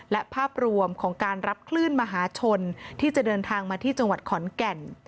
และภาพรวมของการรับคลื่นมหาชนที่จะเดินทางมาที่จังหวัดขอนแก่น